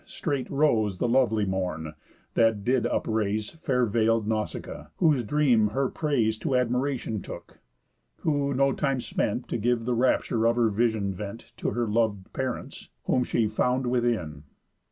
Straight rose the lovely Morn, that up did raise Fair veil'd Nausicaa, whose dream her praise To admiration took; who no time spent To give the rapture of her vision vent To her lov'd parents, whom she found within.